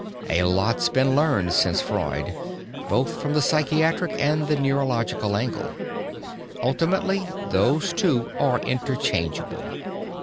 A lot's been learned since Freud, both from the psychiatric and the neurological angle. Ultimately, those two are interchangeable.